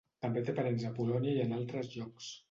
També té parents a Polònia i en altres llocs.